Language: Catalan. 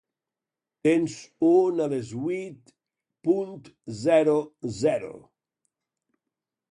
Tens un a les vuit punt zero zero.